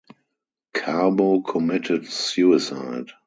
Carbo committed suicide.